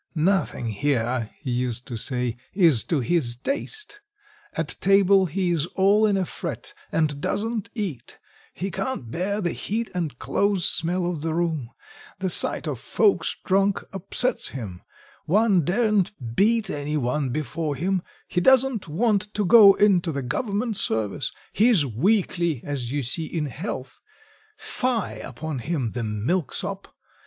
"Nothing here," he used to say, "is to his taste; at table he is all in a fret, and doesn't eat; he can't bear the heat and close smell of the room; the sight of folks drunk upsets him, one daren't beat any one before him; he doesn't want to go into the government service; he's weakly, as you see, in health; fie upon him, the milksop!